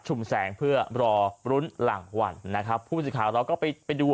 ชุ่มแสงเพื่อรอรุ้นหลังวันนะครับผู้สิทธิ์ของเราก็ไปดู